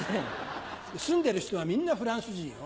住んでる人はみんなフランス人よ。